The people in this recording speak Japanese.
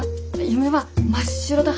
夢は真っ白だ